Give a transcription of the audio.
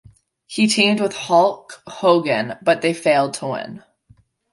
He teamed with Hulk Hogan, but they failed to win.